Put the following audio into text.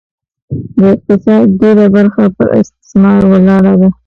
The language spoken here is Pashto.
د اقتصاد ډېره برخه پر استثمار ولاړه وه.